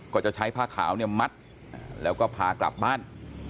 ก็จะใช้ผ้าขาวเนี่ยมัดแล้วก็พากลับบ้าน